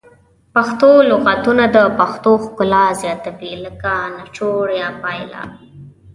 پښتو لغتونه د پښتو ښکلا زیاتوي لکه نچوړ یا پایله